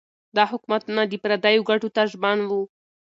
دا حکومتونه د پردیو ګټو ته ژمن وو.